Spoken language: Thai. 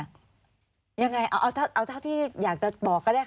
ยังไงเอาเท่าที่อยากจะบอกก็ได้